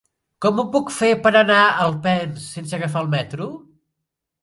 Com ho puc fer per anar a Alpens sense agafar el metro?